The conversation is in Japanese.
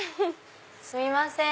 すみません。